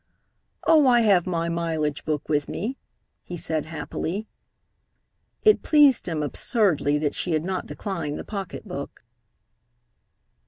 "Oh, I have my mileage book with me," he said happily. It pleased him absurdly that she had not declined the pocketbook.